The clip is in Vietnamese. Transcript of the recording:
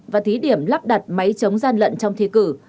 và thí điểm lắp đặt máy chống gian lận trong thi cử